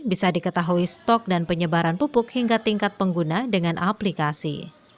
bisa diketahui stok dan penyebaran pupuk hingga tingkat pengguna dengan aplikasi